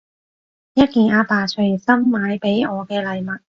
一件阿爸隨心買畀我嘅禮物